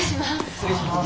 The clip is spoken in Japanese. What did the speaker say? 失礼します。